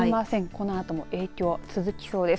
このあとも影響、続きそうです。